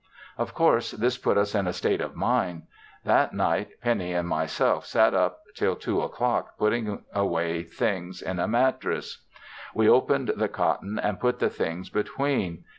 Of course this put us in a state of mind. That night Pennie and myself sat up until 2:00 o'clock putting away things in a mattress. We opened the cotton and put the things between.